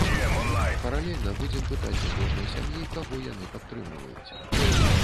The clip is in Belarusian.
Паралельна будзем пытаць у кожнай сям'і, каго яны падтрымліваюць.